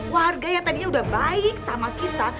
warga yang tadinya udah baik sama kita